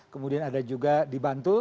kemudian ada juga di bantul